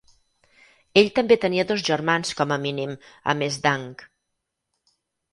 Ell també tenia dos germans com a mínim a més d'Hank.